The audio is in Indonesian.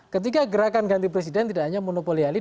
ketika gerakan ganti presiden tidak hanya monopoli ali